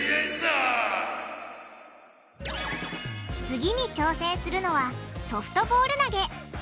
次に挑戦するのはソフトボール投げ。